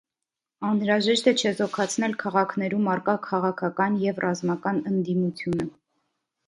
Անհրաժեշտ է չեզոքացնել քաղաքներում առկա քաղաքական և ռազմական ընդդիմությունը։